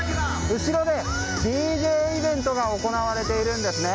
後ろで、ＤＪイベントが行われているんですね。